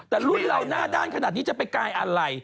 แต่รุ่นเราหน้าด้านขนาดนี้จะไปกายอะไร